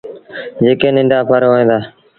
جيڪي ننڍآ ڦر هوئين دآ۔